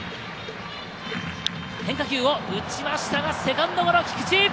変化球を打ちましたがセカンドゴロ、菊池。